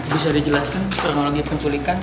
bisa dijelaskan peronologi penculikan